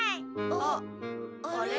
あっあれ？